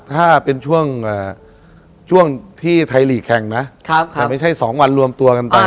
ถ้าเป็นช่วงที่ไทยลีกแข่งนะแต่ไม่ใช่๒วันรวมตัวกันไป